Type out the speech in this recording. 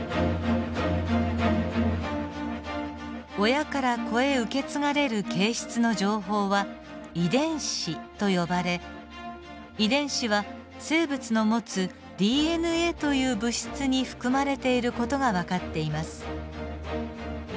親から子へ受け継がれる形質の情報は遺伝子と呼ばれ遺伝子は生物の持つＤＮＡという物質に含まれている事が分かっています。